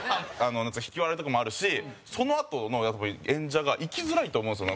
兎：引き笑いとかもあるしそのあとの演者がいきづらいと思うんですよね。